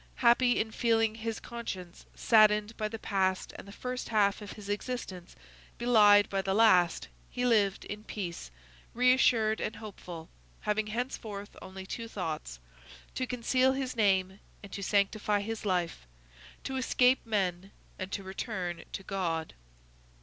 happy in feeling his conscience saddened by the past and the first half of his existence belied by the last, he lived in peace, reassured and hopeful, having henceforth only two thoughts,—to conceal his name and to sanctify his life; to escape men and to return to God.